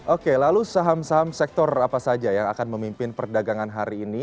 oke lalu saham saham sektor apa saja yang akan memimpin perdagangan hari ini